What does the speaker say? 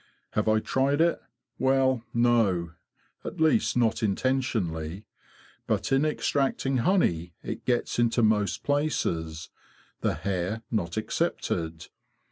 Have I tried it? Well, no; at least, not intentionally. But in extracting honey it gets into most places, the hair not excepted.